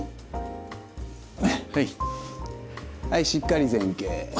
はいしっかり前傾。